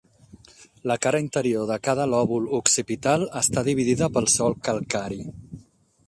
La cara interior de cada lòbul occipital està dividida pel solc calcari.